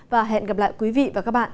và hẹn gặp lại quý vị và các bạn